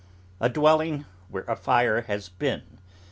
A dwelling where a fire has been.